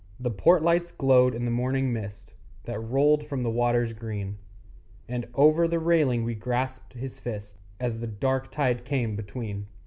The port lights glowed in the morning mist That rolled from the waters green; And over the railing we grasped his fist As the dark tide came between.